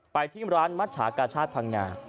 ไปที่ร้านมัชชากาชาติพังงา